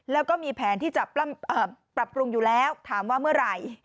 แล้วก็มีแผนที่จะปรับปรุงอยู่แล้วถามว่าเมื่อไหร่